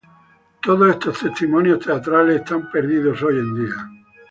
Todos estos testimonios teatrales están perdidos hoy en día.